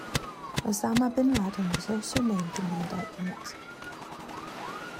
Osama bin Laden was also named in the indictment.